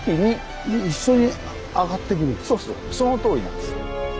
そうそうそのとおりなんです。